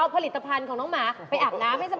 อ้าวแล้ว๓อย่างนี้แบบไหนราคาถูกที่สุด